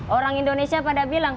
orang indonesia pada bilang